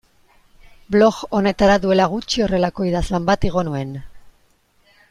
Blog honetara duela gutxi horrelako idazlan bat igo nuen.